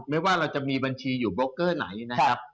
ไม่ว่าเราจะมีบัญชีอยู่โบกเกอร์ไหนนะครับ